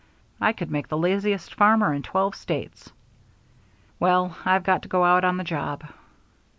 I could make the laziest farmer in twelve states. Well, I've got to go out on the job."